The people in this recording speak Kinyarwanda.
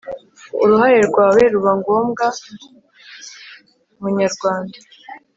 uruhare rwawe ruba aringombwa munyarwanda